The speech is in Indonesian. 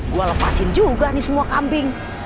gue lepasin juga nih semua kambing